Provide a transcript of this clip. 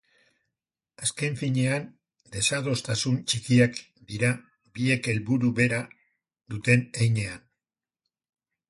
Azken finean, desadostasun txikiak dira biek helburu bera duten heinean.